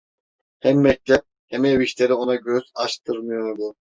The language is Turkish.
Hem mektep, hem ev işleri ona göz açtırmıyordu.